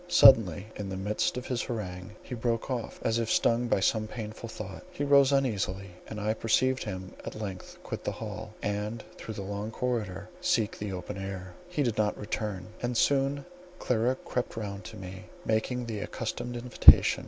Suddenly in the midst of his harangue he broke off, as if stung by some painful thought; he rose uneasily, and I perceived him at length quit the hall, and through the long corridor seek the open air. He did not return; and soon Clara crept round to me, making the accustomed invitation.